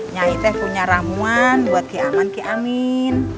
nyai punya ramuan buat keaman keamin